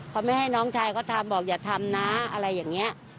เขาไม่ให้น้องชายเขาทำบอกอย่าทำนะอะไรอย่างนี้